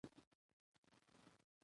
مېړه مړ کى؛ خو مړانه ئې مه وژنئ!